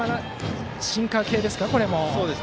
シンカー系でしたか。